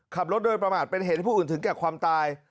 ขับรถโดยประมาทเป็นเหตุให้ผู้อื่นถึงแก่ความตาย